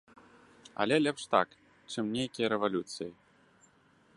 Але лепш так, чым нейкія рэвалюцыі.